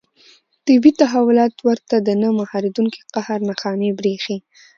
طبیعي تحولات ورته د نه مهارېدونکي قهر نښانې برېښي.